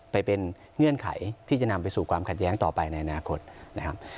ไปเป็นเงื่อนไขที่จะนำไปสู่ความขัดแย้งต่อไปในอนาคตนะครับ